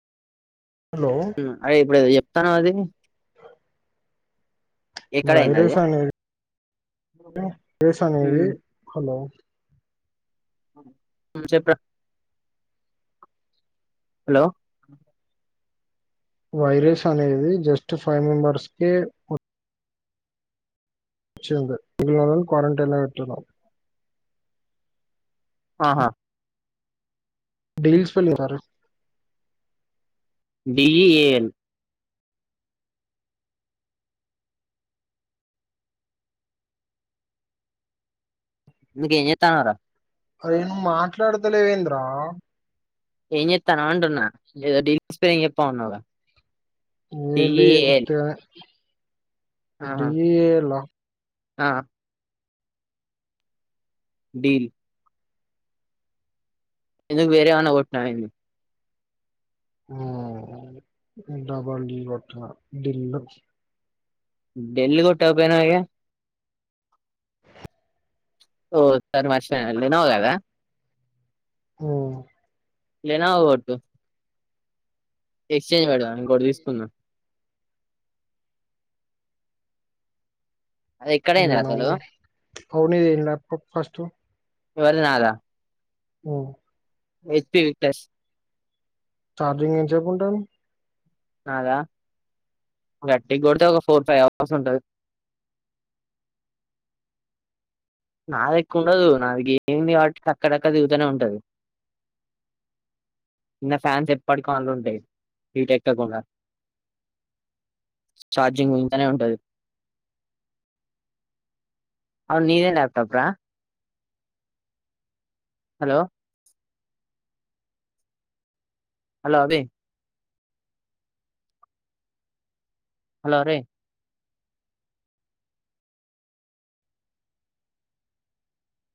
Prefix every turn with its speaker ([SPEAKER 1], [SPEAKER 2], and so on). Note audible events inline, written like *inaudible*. [SPEAKER 1] hello
[SPEAKER 2] అరే ఇప్పుడేదో చెప్తాన్నావ్ అది ఎక్కడయింది అది
[SPEAKER 1] వైరస్ అనేది ఫేసా నిది
[SPEAKER 2] ఉమ్,
[SPEAKER 1] హలో
[SPEAKER 2] ఉమ్ చెప్ప రా హలో
[SPEAKER 1] వైరస్ అనేది జస్ట్ ఫైవ్ మెంబర్స్ కే వచ్చింది మిగతా వాళ్ళని క్వారంటంటైన్లో పెట్టినాం
[SPEAKER 2] ఆహా
[SPEAKER 1] డీల్స్ వెళ్ళుంటారు
[SPEAKER 2] డి ఎ ఎల్ ఎందుకు ఎమ్ చేస్తున్నావ్ రా
[SPEAKER 1] అరే నువ్వు మాట్లాడతలేవు ఏంద్ర
[SPEAKER 2] ఏం చెస్తానవ్ అంటున్నా ఏదో డేస్ స్పైర చెప్పా ఉన్నావా
[SPEAKER 1] ఏ లే ఉత్తిగానె డి
[SPEAKER 2] ఆహా
[SPEAKER 1] ఎల్ ఆ
[SPEAKER 2] ఆ డీల్ ఎందుకు వేరే ఏమన్నా కోటినావా ఏంది
[SPEAKER 1] ఆమ్ *unintelligible*
[SPEAKER 2] డేల్ కొట్టకపోయినా అగ ఓ సారి మర్చిపోయిన వెలినావుగా
[SPEAKER 1] ఆమ్
[SPEAKER 2] లెనోవా కొట్టు ఎక్స్చేంజ్ పెడతా ఇంకోటి తీసుకున్నా అది ఎక్కడైంది అసలు
[SPEAKER 1] లేనోవొ అవునీ లాప్ టాప్ ఫస్ట్
[SPEAKER 2] ఎవరిది నాదా
[SPEAKER 1] ఆమ్
[SPEAKER 2] వొత్తే ఇటాస్
[SPEAKER 1] చార్జింగ్ ఏంచేప్ ఉంటాంది
[SPEAKER 2] నాద గట్టిగా కొడితే ఒక ఫోర్ ఫైవ్ అవర్స్ ఉంటాది నాది ఎక్కువ ఉండదు నాది గేమ్ ను బట్టి అక్కడక్కడ తిరుగుతానే ఉంటది ఇంకా ఫ్యాన్స్ ఎప్పటికి అన్లొ ఉంటాయి హీట్ ఎక్కకుండా చార్జింగ్ ఇంతనే ఉంటాది అవును నీదే ల్యాప్ టాప్ ఆ హలో హలో అది హలో హరి